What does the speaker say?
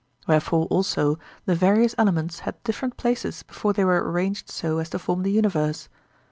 Wherefore also the various elements had different places before they were arranged so as to form the universe.